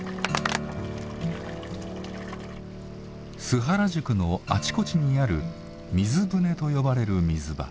須原宿のあちこちにある水舟と呼ばれる水場。